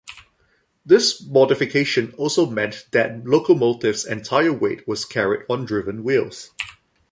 This modification also meant that locomotive's entire weight was carried on driven wheels.